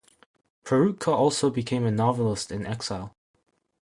Peroutka also became a novelist in exile.